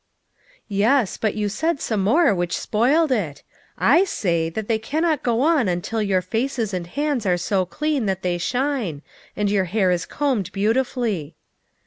" Yes, but you said some more which spoiled it. I say that they cannot go on until your faces and hands are so clean that they shine, and your hair is combed beautifully."